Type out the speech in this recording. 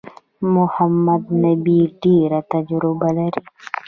محمد نبي ډېره تجربه لري.